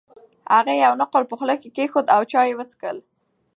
هغې یو نقل په خوله کې کېښود او چای یې وڅښل.